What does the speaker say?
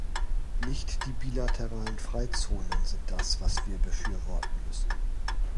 Nicht die bilateralen Freizonen sind das, was wir befürworten müssen.